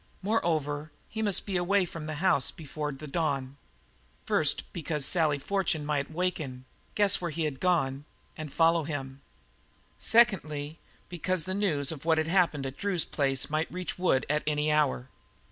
Moreover, he must be away from the house with the dawn first, because Sally Fortune might waken, guess where he had gone, and follow him; secondly because the news of what had happened at Drew's place might reach Wood at any hour.